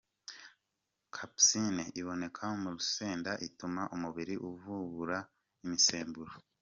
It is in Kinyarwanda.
capsaïcine” iboneka mu rusenda ituma umubiri uvubura imisemburo .